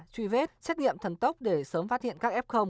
truy vết xét nghiệm thần tốc để sớm phát hiện các f